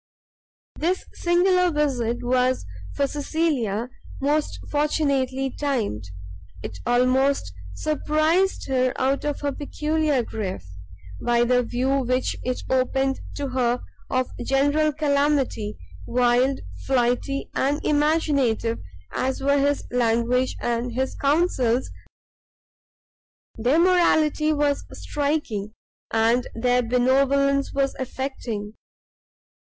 This singular visit was for Cecilia most fortunately timed: it almost surprised her out of her peculiar grief, by the view which it opened to her of general calamity; wild, flighty, and imaginative as were his language and his counsels, their morality was striking, and their benevolence was affecting.